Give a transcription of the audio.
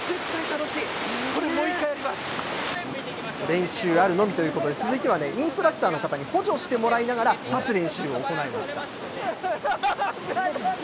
練習あるのみということで、続いてはね、インストラクターの方に補助してもらいながら、立つ練習を行いました。